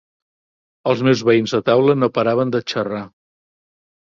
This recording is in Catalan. Els meus veïns de taula no paraven de xerrar.